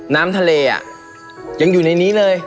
น้ำทะเลยังอยู่ในนี้เลย